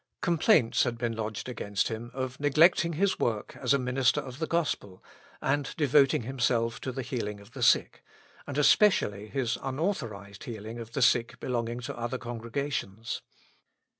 Complaints had been lodged against him of neglect ing his work as a minister of the gospel, and devoting himself to the healing of the sick ; and especially his unauthorized healing of the sick belonging to other congregations.